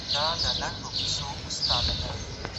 چي وهله یې زورونه